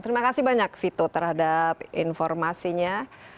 terima kasih banyak vito terhadap informasinya